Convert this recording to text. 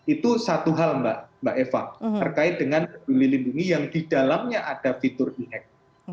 itu satu hal mbak eva terkait dengan peduli lindungi yang di dalamnya ada fitur e hack